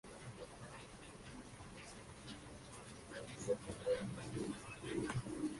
Los críticos lo consideran de inferior categoría.